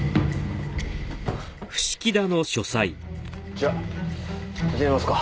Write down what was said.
じゃ始めますか。